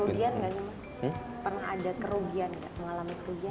pernah ada kerugian gak